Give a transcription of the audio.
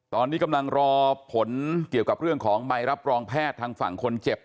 ตอนนี้กำลังรอผลเกี่ยวกับเรื่องของใบรับรองแพทย์ทางฝั่งคนเจ็บ